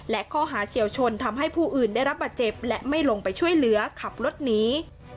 และข้อหาเฉียวชนทำให้ผู้อื่นได้รับบาดเจ็บและไม่ลงไปช่วยเหลือขับรถหนี